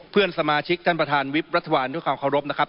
เพื่อนสมาชิกท่านประธานวิบรัฐบาลด้วยความเคารพนะครับ